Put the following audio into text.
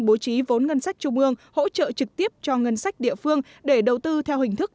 bố trí vốn ngân sách trung ương hỗ trợ trực tiếp cho ngân sách địa phương để đầu tư theo hình thức